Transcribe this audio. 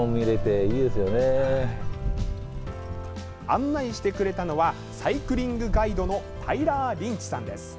案内してくれたのはサイクリングガイドのタイラー・リンチさんです。